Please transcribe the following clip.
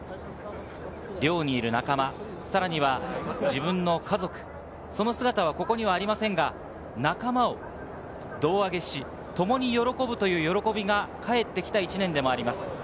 寮にいる仲間、自分の家族、その姿はここにありませんが、仲間を胴上げし、ともに喜ぶという喜びがかえってきた１年でもあります。